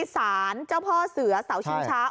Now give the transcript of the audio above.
สารเจ้าพ่อเสือเสาชิงช้า